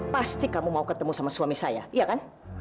pasti kamu mau ketemu sama suami saya iya kan